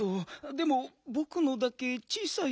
でもぼくのだけ小さい？